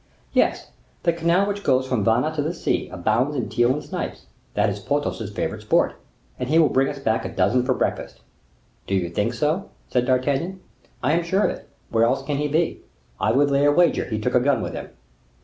"Yes; the canal which goes from Vannes to the sea abounds in teal and snipes; that is Porthos's favorite sport, and he will bring us back a dozen for breakfast." "Do you think so?" said D'Artagnan. "I am sure of it. Where else can he be? I would lay a wager he took a gun with him."